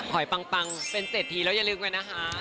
หอยปังเป็น๗ทีแล้วอย่าลืมไว้นะคะ